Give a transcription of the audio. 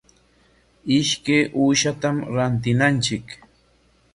Ishkay uushatam rantinanchik.